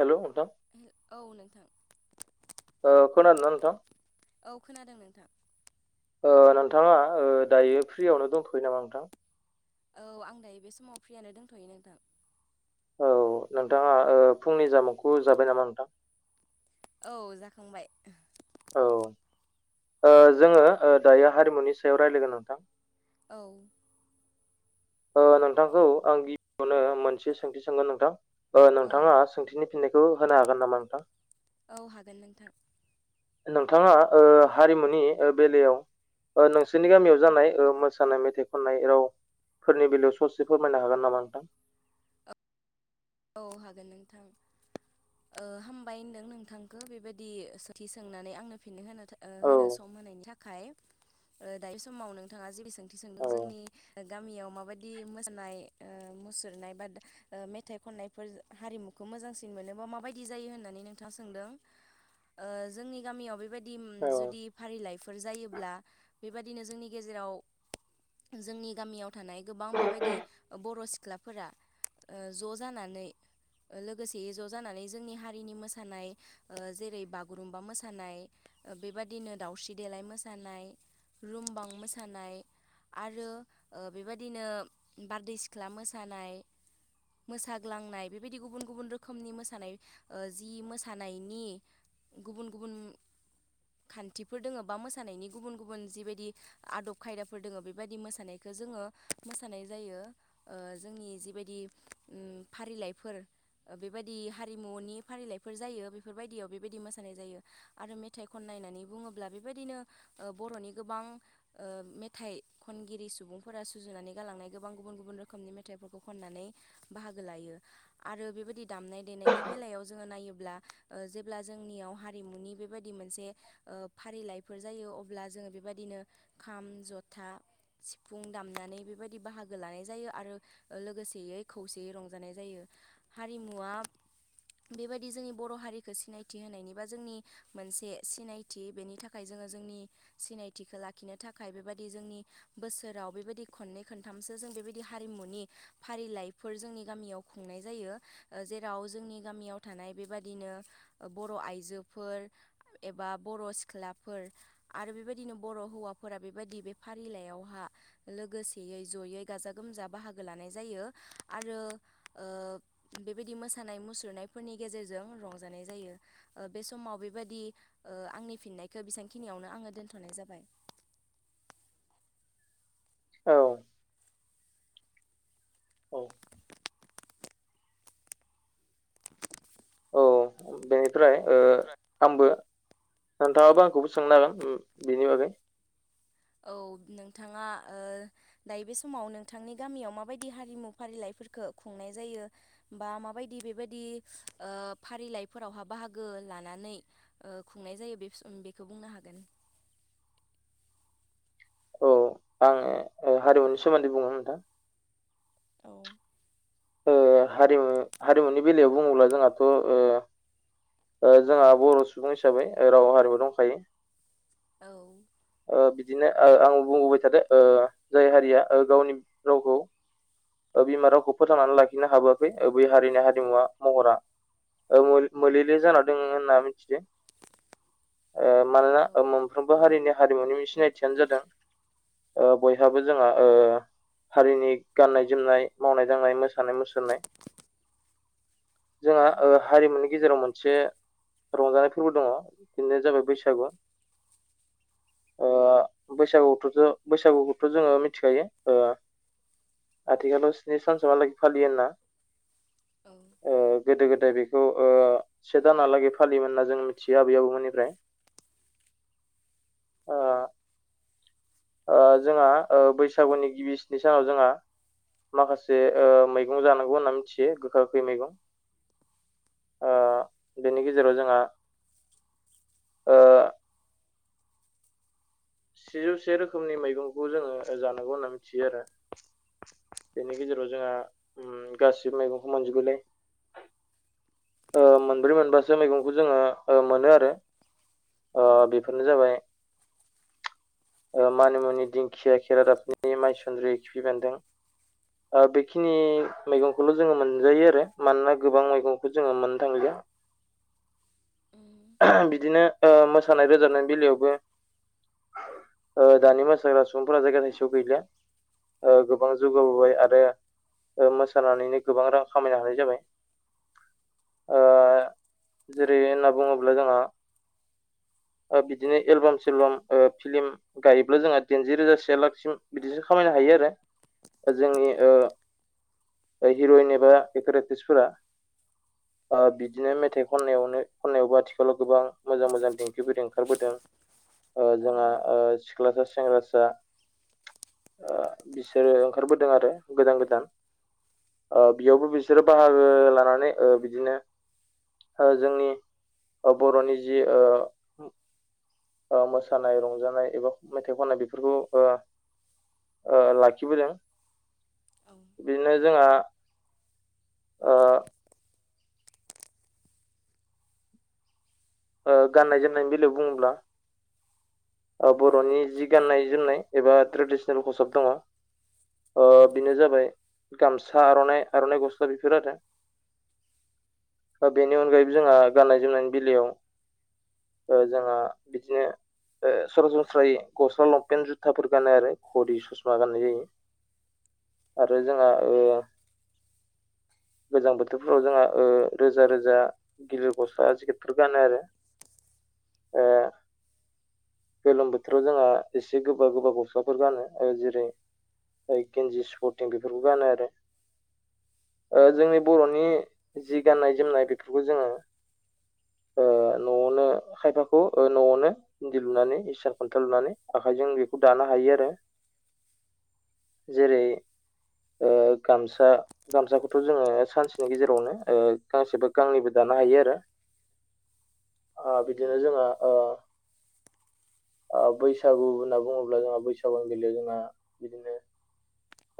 हेल' द। औ नोंथां। औ खोनादों ना नोंथां। औ खोनादों नोंथां। ओ नोंथाङा दायो फ्रियावनो दंथयो नामा नोंथां। औ आं दायो बे समाव फ्रियानो दोनथ'यो नोंथां। औ नोंथाङा फुंनि जामुंखौ जाबाय नामा नोंथां। औ जाखांबाय। औ जोङो दायो हारिमुनि सायाव राय्लायगोन नोंथां। द। नोंथांखौ आं गिबियावनो मोनसे सोंथि सोंगोन नोंथां। औ नोंथाङा सोंथिनि फिननायखौ होनो हागोन नामा नोंथां। औ हागोन नोंथां। नोंथाङा ओ हारिमुनि बेलायाव। ओ नोंसोरनि गामियाव जानाय मोसानाय मेथाइ खननाय राव फोरनि बेलायाव ससे फोरमायनो हागोन नामा नोंथां। अ हागोन नोंथां ओ हामबाय होनदों नोंथांखौ बेबायदि सोंथि सोंनानै आंनो फिननो औ होन होनो सम मोननि थाखाय ओ दायो समाव नोंथाङा जेसेसे थि औ सोंदों जोंनि गामियाव माबायदि मोसानाय ओ मुसुरनाय बा मेथाइ खननायफोर हारिमुखौ मोजांसिन मोनोबा माबायदि जायो होननानै नोंथाङा सोंदों ओ जोंनि गामियाव बेबायदि उम जुदि फारिलाइ जायोब्ला बेबदिनो जोंनि गेजेराव जों गामियाव थानाय गोबां बेबायदि बर' सिख्लाफोरा ओ ज जानानै ओ लोगोसे ज जानानै जोंनि हारिनि मोसानाय ओ जेरै बागुरुमबा मोसानाय ओ बेबादिनो दावस्रि देलाय मोसानाय रुमबां मोसानाय आरो ओ बेबायदिनो बारदै सिख्ला मोसानाय मोसाग्लांनाय बेबायदि गुबुन गुबुन रोखोमनि मोसानाय ओ जि मोसानायनि गुबुन गुबुन खान्थिफोर दोङो बा मोसानायनि गुबुन गुबुन जिबायदि आदब खायदाफोर दोङो बेबायदि मोसानायखो जोङो मोसानाय जायो ओ जोंनि जिबायदि उ फारिलाइफोर ओ बेबायदि हारिमुनि फारिलाइफोर जायो बेफोरबायदियाव बेबायदि मोसानाय जायो आरो मेथाइ खननाय नायनानै बुङोब्ला बेबायदिनो ओ बरनि गोबां ओ मेथाइ खनगिरि सुबुंफोरनि फोर सुजुनानै गालांनाय गोबां गुबुन गुबुन रोखोमनि मेथाइफोरखौ खननानै बाहागो लायो आरो बेबायदि दामनाय देनायनि बेलायाव जोङो नायोब्ला ब्ला ओ जेब्ला जोंनियाव हारिमुनि बेबायदि मोनसे ओ फारिलाइफोर जायो अ जब्ला जो जोङो बेबायदिनो खाम जथा सिफुं दामनानै बेबायदि बाहागो लानाय जायो आरो लोगोसेयै खौसेयै रंजानाय जायो हारिमुवा बेबायदि जोंनि बर हारिखौ सिनायथि होनायनि बा जोंनि मोनसे सिनायथि बेनि थाखाय जों ओ जोंनि सिनायथिखौ लाखिनो थाखाय बेबायदि जोंनि बोसोराव बेबायदि खननै खनथामसो जों बेबायदि हारिमुनि फारिलाइ फोर जोंनि गामियाव खुंनाय जायो ओ जेराव जोंनि गामियाव थानाय बेबादिनो बर आइजोफोर एबा बर सिख्लाफोर आरो बेबायदिनो बर हौवाफोरा बेबायदि बे फारिलाइयावहा लोगोसेयै जयै गाजा गोमजा बाहागो लानाय जायो आरो ओब बेबायदि मोसानाय मुसुरनायफोरनि गेजेरजों रंजानाय जायो ओ बे समाव बेबायदि ओ आंनि फिननायखौ बेसेबांखिनियावनो आङो दोनथनाय जाबाय औ औ औ बेनिफ्राय ओ बेनिफ्राय आमबो नोंथाङाबो आंखौबो सोंनोागोन उ बिनि बागै औ नोंथाङा ओ दायो बे समाव नोंथांनि गामियाव माबायदि हारिमु फारिलाइ फोरखो खुंनाय जायो बा माबायदि बेबायदि ओ फारिलाइफोरावहा बाहागो लानानै ओ खुंनाय जायो बे बेखौ बुंनो हागोन औ आङो ओ हारिमुनि सोमोन्दै बुंनो नोंथां औ, ओ हारिमु हारिमुनि बेलायाव बुङोब्ला जोंहाथ ओ ओ जोंहा बर सुबुं हिसाबै राव हारिमु दंखायो औ ओ बिदिनो ओ आं बुंबोबाय थादों जाय हारिया गावनि रावखौ ओ बिमा रावखौ फोथांनानै लाखिनो हाबोआखै बै हारिनि हारिमुवा महरा ओ मोले ले जाना दों होनना मिथिदो मानोना औ मोनफ्रोमबो हारिनि हारिमुनि सिनायथियानो जादों बयहाबो जोंहा हारिनि गाननाय जोमनाय मावनाय दांनाय मोसानाय मुसुरनाय जोंहा औ हारिमुनि नि गेजेराव मोनसे रंजानाय फोरबो दङ बेनो जाबाय बैसागु बैसागुथ बैसागुखौथ' जोङो मिथिखायो आथिखालाव स्नि सानसहालागै फालियो होनना औ गोदो गोदाय बेखौ से दानालागै फालियोमोन होनना मिथियो आबै आबौमोननिफ्राय आ ओ जोंहा ओ बैसागुनि गिबि स्नि सानाव जोंहा माखासे ओ मैगं जानांगौ होनना मिथियो गोखा गोखै मैगं ओ बेनि गेजेराव जोंहा ओ सेजौसे रोखोमनि मैगंखौ जोङो जानांगौ होनना मिथियो आरो। बेनि गेजेराव जोंहा उम्म गासिबो मैगंखौ मोनजोबबोलाय ओ मोनब्रै मोनबासो मैगंखौ जोङो ओ मोनो आरो। ओ औ बेफोरनो जाबाय ओ मानिमुनि, दिंखिया, खेरादाफिनि, माइसुन्द्रि, खिफि बेन्दों। बेखिनि मैगंखौल' जोङो मोनजायो आरो मानोना गोबां मैगं जोङो मोननो थांलिया बिदिनो ओ मोसानाय रोजाबनायनि बेलायावबो ओ दानि मोसाग्रा सुबुं फोरा जायगा थायसे आव गैलिया ओ गोबां जौगाबोबाय आरो ओ मोसानानैनो गोबां रां खामायनो हानाय जाबाय। ओ जेरै होनना बुङोब्ला जोंहा ओ बिदिनो एलबाम सेलबाम ओ फिल्म गायोब्ला जोंहा दाइनजि रोजा से लाखसिम बिदिसो खामायनो हायो। आरो जोंनि ओ ओ हिर'इन एबा एक्टर एक्टट्रिसफोरा ओ बिदिनो मेथाइ खननायावनो खननायावबो आथिखालाव गोबां मोजां मोजां देंखिफोर ओंखारबोदों। ओ जोंहा औ ओ सिख्लासा सेंग्रासा ओ बिसोरो ओंखारबोदों आरो गोदान गोदान। ओ बेयावबो बिसोरो बाहागो लानानै ओ बिदिनो ओ जोंनि ओ बर'नि जि ओ ओ मोसानाय रंजानाय एबा मेथाइ खननाय बेफोरखौ ओ ओ लाखिबोदों बिदिनो जोंहा ओ ओ गाननाय जोमनायनि बेलायाव बुङोब्ला ओ बर'नि जि गाननाय जोमनाय एबा ट्रेडिसनेल खसाब दंङ ओ बेनो जाबाय गामसा आर'नाइ आर'नाइ गस्ला बेफोर आरो। औ बेनि अनगायैबो जोंहा औ गाननाय जोमनायनि बेलायाव ओ जोंहा बिदिनो ओ सरासनस्रायै गस्ला लंपेन जुथाफोर गानो आरो खरि ससमा गाननाय जायो। आरो जोंहा ओ गोजां बोथोरफ्राव जोंहा ओ रोजा रोजा गिलिर गस्ला जिकेटफोर गानो आरो। ओ गोलोम बोथोराव जोंहा एसे गोबा गोबा गस्लाफोर गानो ओ जेरै गेन्जि स्पर्टिं बेफोरखौ गानो आरो। ओ जोंनि बर'नि जि गाननाय जोमनाय बेफोरखौ जोङो ओ न'आवनो खायफाखौ ओ न'आवनो इन्दि लुनानै इसान खन्था लुनानै आखाइजों बेखौ दानो हायो आरो। जेरै ओ गामसा गामसाखौथ' जोङो सानसेनि गेजेरावनो ओ गांसेबा गांनैबो दा नो हायो आरो ओ बिदिनो औ जोंङो ओ ओ बैसागु होनना बुङोब्ला जोंहा बैसागुआ गेलेयो जोंहा बिदिनो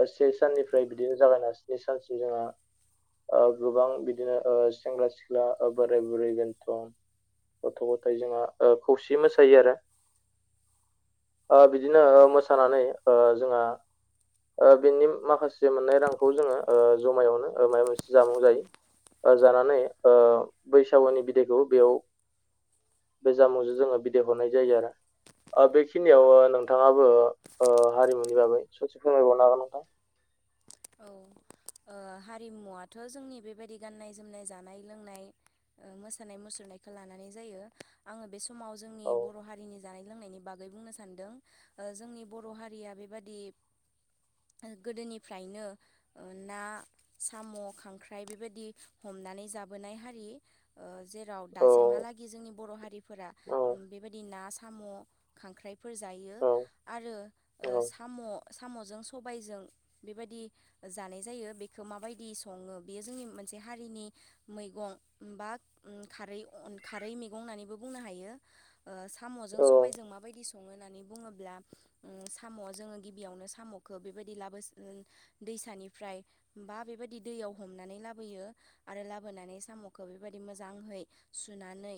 ओ से साननिफ्राय बिदिनो जागायना स्नि सानसिम जोंहा ओ गोबां बिदिनो ओ सेंग्रा सिख्ला ओ बोराय बुरै बेनथ' गथ' गथाइ जोंहा ओ खौसे मोसायो आरो। ओ बिदिनो ओ मोसानानै ओ जोंहा ओ बेनि माखासे मोननाय रांखौ ओ जोङो ओ जमायावनो माबा मोनसे जामुं जायो। ओ जानानै ओ बैसागुनि बिदायखौ बेयाव बे जामुं जोङो बिदाय हरनाय जायो आरो। ओ बेखिनियाव ओ नोंथाङाबो हारिमुनि बागै ससे फोरमायबावनो हागोन नोंथां। [inaudible] [unintelligible] औ ओ हारिमुवाथ' जोंनि बेबायदि गाननाय जोमनाय जानाय लोंनाय मोसानाय मुसुरनायखौ लानानै जायो आङो बे समाव जोंनि औ बर' हारिनि जानाय लोंनायनि बागै बुंनो सानदों जोंनि बर' हारिया बेबादि आरो गोदोनिफ्राय फ्रायनो ना साम' खांख्राइ बेबायदि हमनानै जाबोनाय हारि। [inaudible] ओ [unintelligible] जेराव औ दासिमहालागै जोंनि बर' हारिफोरा बेबायदि ना सा साम' खांख्राइफोर जायो औ आरो औ साम' साम'जों सबायजों बेबायदि जानाय जायो बेखौ माबायदि सङो बेयो जोंनि मोनसे हारिनि मैगं बा खारै अन मैगं होननानैबो बुंनो हायो। ओ साम'जों सबायजों मा बायदि सं सङो होननानै बुङोब्ला साम' जोङो गिबियावनो साम'खौ बेबायदि लाबो दैसानिफ्राय बा बेबायदि दैयाव हमनानै लाबोयो आरो लाबोनानै साम मखौ बेबायदि मोजाङै सुनानै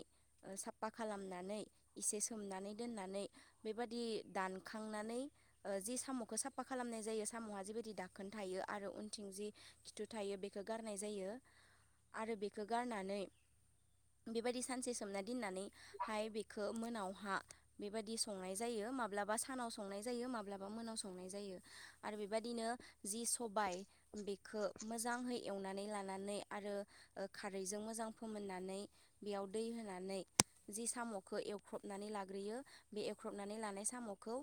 साफा खालामनानै एसे सोमनानै दोननानै बेबादि दानखांनानै जि साम'खौ साफा खालामनाय जायो साम आ जिबायदि दाखोन थायो आरो उनथिं जि खिथु थायो बेखौ गारनाय जायो। आरो बेखौ गारनानै बेबायदि सानसे सोमना दोननानैहाय बेखौ मोनावहा बेबायदि संनाय जायो माब्लाबा सानाव संनाय जायो माब्लाबा मोनाव संनाय जायो आरो बेफ बेबायदिनो जि सबाय बेखो मोजांहै एवनानै लानानै आरो खारैजों मोजां फोमोननानै बेयाव दै होनानै जि साम'खौ एवख्रबनानै लाग्रोयो बे एवख्रबनानै लानाय साम'खौ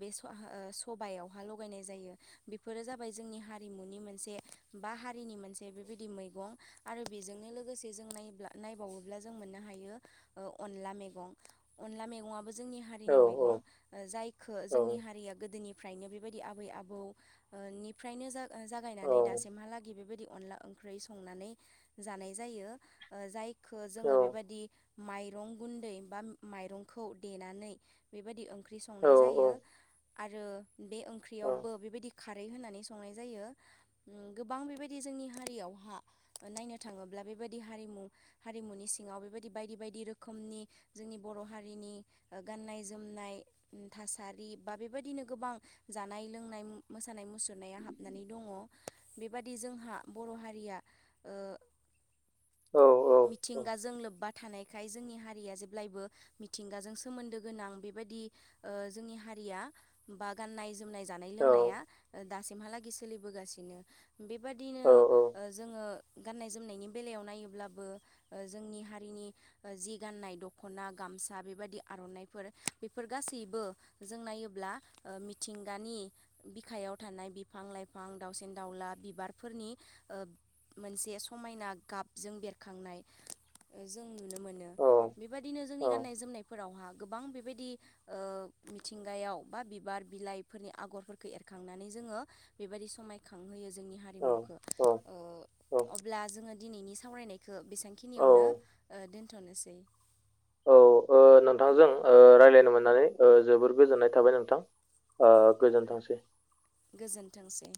बे स-सबायावहा लगायनाय जायो। बेफोरो जाबाय जोंनि हारिमुनि मोनसे बा हारिनि मोनसे बेबायदि मैगं आरो जोंनो लोगोसे जों नायोब्ला नायबावोब्ला जों मोन्नो हायो अनला मेगं अनला मेगंआबो जोंनि औ हारिनि मैगं जायखौ औ जोंनि हारिया गोदोनिफ्रायनो बेबायदि आबै आबौ ओ निफ्रायनो जाग-जागायनानै दासिमहालागै बेबायदि अनला ओंख्रि संनानै जा नाय जायो जायखो औ जोङो बेबायदि माइरं गुन्दै बा माइरंखौ देनानै बेबायदि ओंख ख्रि संनाय जायो आरो बे ओंख्रियावबो बेबायदि खारै होनानै संनाय जायो गोबां बेबायदि जोंनि हारियावहा नायनो थाङोब ब्ला बेबायदि हारिमु हारिमुनि सिङाव बेबायदि बायदि बायदि रोखोमनि जोंनि बर' हारिनि गाननाय जोमनाय थासारि बा बेबायदिनो गोबां जानाय लोंनाय नाय मुसुरनाया हाबनानै दङ। बेबादि जोंहा बर' हारिया मिथिंगाजों लोब्बा थानाय बेखाय जोंनि हारिया जेब्लायबो मिथिंगाजों सोमोन्दो गोनां बेबाददि जोंनि हारिया बा गाननाय जोमनाय जानाय लोंनाया दासिमहालागै सोलिबोगासिनो बेबादिनो जोङो गान्नाय जोमनायनि बेलायाव नायोब्लाबो जोंनि हारिनि जि गाननाय दख'ना गा गामसा बेबायाददि आर'नानायफोर बेफोर गासैबो जों नायोब्ला मिथिंगानि बिखायाव थानाय बिफां लाइफां दाावसिन दाउला बिबारफोरनि ओ मोनसे समायना गाबजों बेरखांनाय जों नुनो मोनो औ बेबायदिनो जोंनि औ गाननाय जोमनायफोरावहा गोबां बेबायदि ओ मिथिंगायाव बा बिबार बिलाइफोरनि आगरफोर एरखांनानै जोङो बेबायदि समायखांहोयो जोंनि औ हारिमुखौ औ ओ औ अब्ला दा जोङो दिनैनि सावरायनायखौ औ बेसेबांखिनियावनो दोनथ'नोसै औ ओ नोंथांजों ओ रायलायनो मोननानै जोबोर गोजोननाय थाबाय नोंथां। ओ गोजोन थोंसै। गोजोन्थोंसै।